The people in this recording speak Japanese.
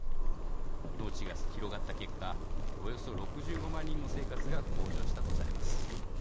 農地が広がった結果およそ６５万人の生活が向上したとされます。